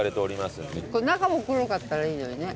中も黒かったらいいのにね。